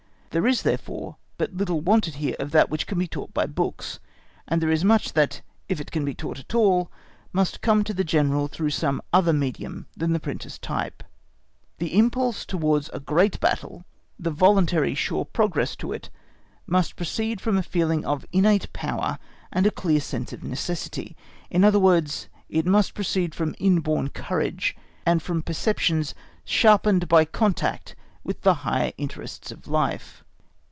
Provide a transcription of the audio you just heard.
There is, therefore, but little wanted here of that which can be taught by books and there is much that, if it can be taught at all, must come to the General through some other medium than printer's type. The impulse towards a great battle, the voluntary, sure progress to it, must proceed from a feeling of innate power and a clear sense of the necessity; in other words, it must proceed from inborn courage and from perceptions sharpened by contact with the higher interests of life.